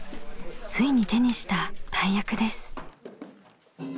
ついに手にした大役です。